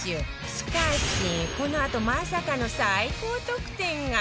しかしこのあとまさかの最高得点が